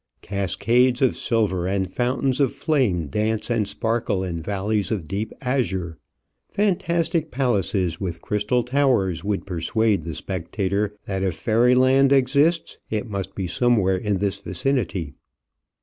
Cascades of silver and fountains of flame dance and sparkle in valleys of deep azure. Fantastic palaces with crystal towers would persuade the spec tator that if fairyland exists, it must be somewhere in this vicinity.